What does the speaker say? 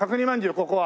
ここは。